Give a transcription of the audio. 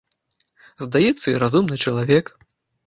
Здаецца, і разумны чалавек!